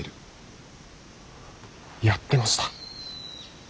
やってました！